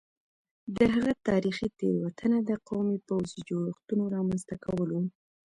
د هغه تاریخي تېروتنه د قومي پوځي جوړښتونو رامنځته کول وو